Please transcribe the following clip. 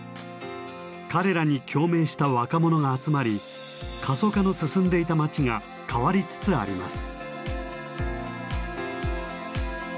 彼らに共鳴した若者が集まり過疎化の進んでいた町が変わりつつあります。